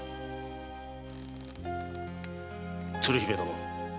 鶴姫殿。